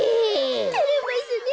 てれますねえ。